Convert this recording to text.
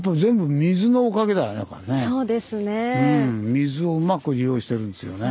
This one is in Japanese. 水をうまく利用してるんですよね。